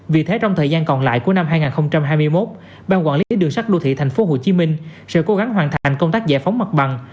vì thế trong thời gian còn lại của năm hai nghìn hai mươi một ban quản lý đường sắt đô thị tp hcm sẽ cố gắng hoàn thành công tác giải phóng mặt bằng